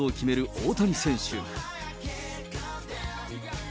大谷選手。